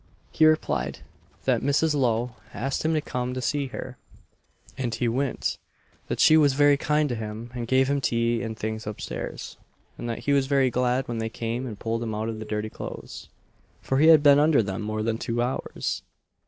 He replied, that Mrs. Lowe asked him to come to see her, and he went; that she was very kind to him, and gave him tea and things up stairs; and that he was very glad when they came and pulled him out of the dirty clothes, for he had been under them more than two hours.